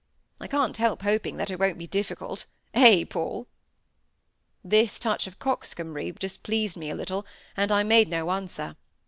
I can't help hoping that it won't be difficult, eh, Paul?" This touch of coxcombry displeased me a little, and I made no answer.